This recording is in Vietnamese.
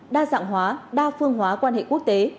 đa dạng hóa đa phương hóa quan hệ quốc tế